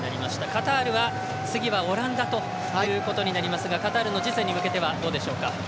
カタールは次はオランダということになりますがカタールの次戦に向けてはどうでしょうか？